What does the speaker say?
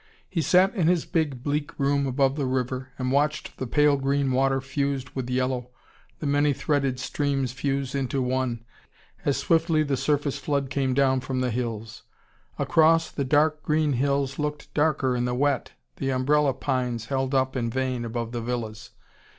He sat in his big, bleak room above the river, and watched the pale green water fused with yellow, the many threaded streams fuse into one, as swiftly the surface flood came down from the hills. Across, the dark green hills looked darker in the wet, the umbrella pines held up in vain above the villas.